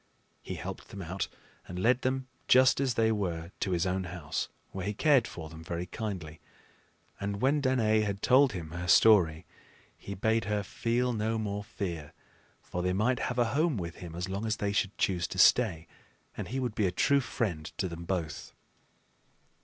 He helped them out and led them just as they were to his own house, where he cared for them very kindly. And when Danaë had told him her story, he bade her feel no more fear; for they might have a home with him as long as they should choose to stay, and he would be a true friend to them both.